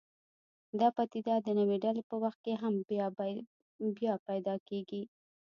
دا پدیده د نوې ډلې په وخت کې هم بیا پیدا کېږي.